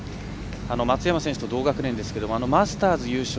松山選手と同学年ですけどマスターズ優勝。